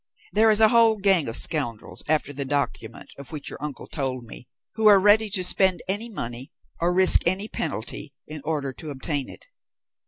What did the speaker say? "There is a whole gang of scoundrels after the document of which your uncle told me, who are ready to spend any money, or risk any penalty, in order to obtain it.